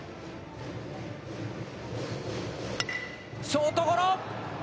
ショートゴロ。